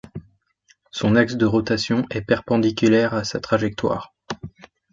Son axe de rotation est perpendiculaire à sa trajectoire.